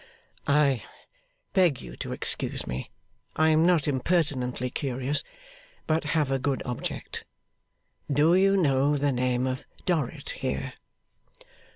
'I beg you to excuse me. I am not impertinently curious, but have a good object. Do you know the name of Dorrit here?